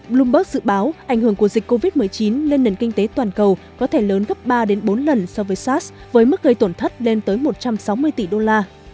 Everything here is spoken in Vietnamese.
bloomberg dự báo ảnh hưởng của dịch covid một mươi chín lên nền kinh tế toàn cầu có thể lớn gấp ba bốn lần so với sars với mức gây tổn thất lên tới một trăm sáu mươi tỷ đô la